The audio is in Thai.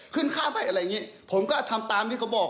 ค่าไปอะไรอย่างนี้ผมก็ทำตามที่เขาบอก